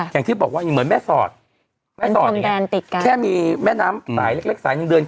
อย่างที่บอกว่าเหมือนแม่ซอด